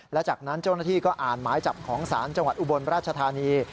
และจากนั้นเจ้าหน้าที่ก็อ่านหมายจับของศาลจังหวัดอุบลราชธานี